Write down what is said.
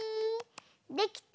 できた？